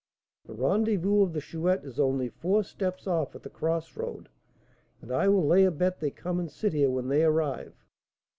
The rendezvous of the Chouette is only four steps off at the cross road, and I will lay a bet they come and sit here when they arrive.